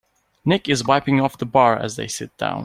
Nick is wiping off the bar as they sit down.